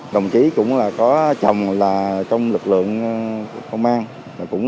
đồng chí cũng là có chồng là trong lực lượng công an cũng